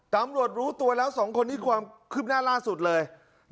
รู้ตัวแล้ว๒คนนี้ความคืบหน้าล่าสุดเลย